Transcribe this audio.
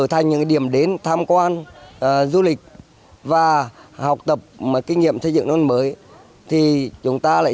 thành những điểm đến tham quan du lịch và học tập kinh nghiệm xây dựng nông mới thì chúng ta lại